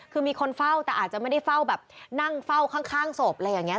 คือมีคนเฝ้าแต่อาจจะไม่ได้เฝ้าแบบนั่งเฝ้าข้างศพอะไรอย่างนี้